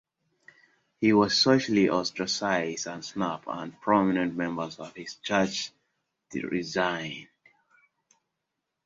He was socially ostracized and snubbed and prominent members of his church resigned.